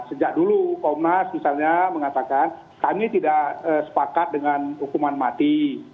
sejak dulu komnas misalnya mengatakan kami tidak sepakat dengan hukuman mati